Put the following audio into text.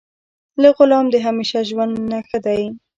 له غلام د همیشه ژوند نه ښه دی.